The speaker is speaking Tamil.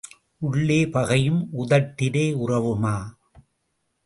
உள்ளே பகையும் உதட்டிலே உறவுமா?